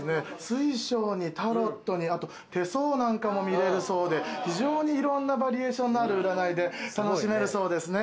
水晶にタロットにあと手相なんかも見れるそうで非常にいろんなバリエーションのある占いで楽しめるそうですね